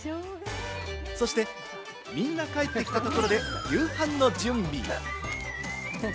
そしてみんな帰ってきたところで夕飯の準備。